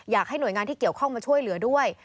อยากให้หน่วยงานที่เกี่ยวข้องมาช่วยเหลือด้วย